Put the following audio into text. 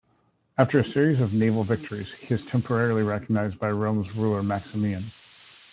After a series of naval victories, he is temporarily recognized by Rome's ruler Maximian.